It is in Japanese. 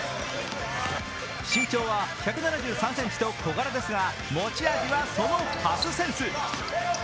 身長は１７３ｃｍと小柄ですが、持ち味はそのパスセンス。